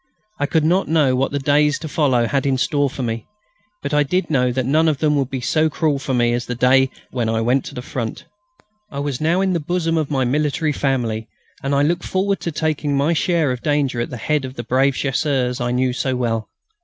I could not know what the days to follow had in store for me, but I did know that none could be so cruel for me as the day when I went to the Front. I was now in the bosom of my military family, and I looked forward to taking my share of danger at the head of the brave Chasseurs I knew so well.